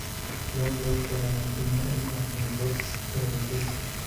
Hough luego fue a ganar el Premio Emmy a la Mejor Coreografía.